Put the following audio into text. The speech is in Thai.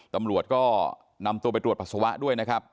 ตำรวจก็นำตัวไปตรวจปัสสาวะด้วยนะครับ